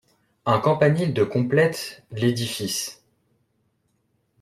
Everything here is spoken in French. Un campanile de complète l'édifice.